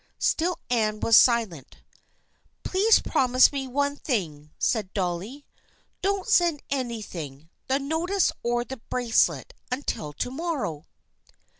Still Anne was silent. " Please promise me one thing," said Dolly. " Don't send anything, the notice or the bracelet, until to morrow."